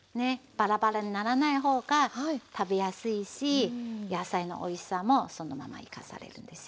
バラバラにならない方が食べやすいし野菜のおいしさもそのまま生かされるんですよね。